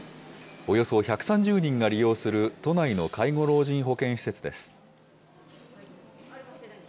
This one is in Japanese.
およそ１３０人が利用する都内の介護老人保健施設です。